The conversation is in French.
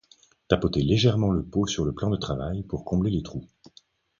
Tapoter légèrement le pot sur le plan de travail pour combler les trous.